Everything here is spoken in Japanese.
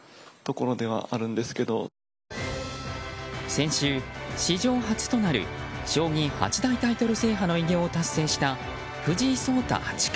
先週、史上初となる将棋八大タイトル制覇の偉業を達成した藤井聡太八冠。